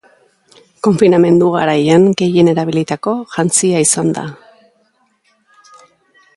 Konfinamendu garaian gehien erabilitako jantzia izan da.